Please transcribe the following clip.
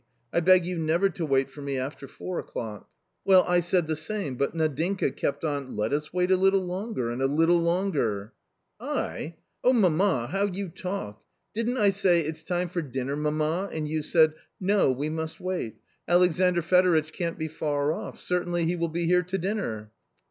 I beg you never to wait for me after four o'clock." " Well, I said the same, but Nadinka kept on ' let us wait a little longer, and a little longer !'"" I ? Oh, mamma, how you talk ! Didn't I say, ' It's time for dinner, mamma,' and you said 'No, we must wait; Alexandr Fedoritch can't be far off; certainly he will be J here to dinner.'